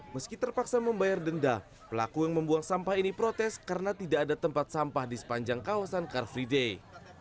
meski terpaksa membayar denda pelaku yang membuang sampah ini protes karena tidak ada tempat sampah di sepanjang kawasan car free day